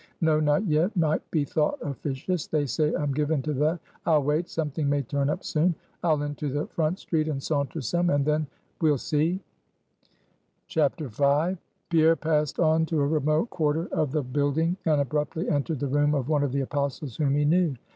No; not yet; might be thought officious they say I'm given to that. I'll wait; something may turn up soon. I'll into the front street, and saunter some; and then we'll see." V. Pierre passed on to a remote quarter of the building, and abruptly entered the room of one of the Apostles whom he knew.